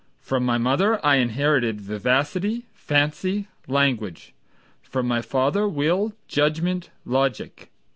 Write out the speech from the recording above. From my mother I inherited Vivacity, fancy, language; From my father will, judgment, logic.